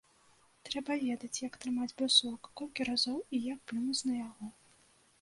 Трэба ведаць, як трымаць брусок, колькі разоў і як плюнуць на яго.